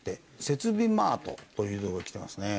設備マートという所に来てますね。